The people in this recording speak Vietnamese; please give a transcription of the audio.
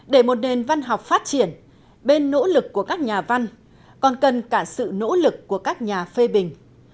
để một nền văn học phát triển bên nỗ lực của các nhà văn còn cần cả sự nỗ lực của các nhà phê bình